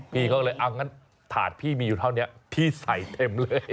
พี่ก็เลยเอางั้นถาดพี่มีอยู่เท่านี้พี่ใส่เต็มเลย